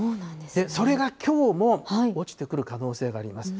それがきょうも落ちてくる可能性があります。